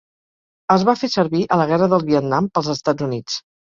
Es va fer servir a la Guerra del Vietnam pels Estats Units.